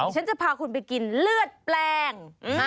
ฉันจะพาคุณไปกินเลือดแปลง